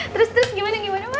terus terus gimana gimana mas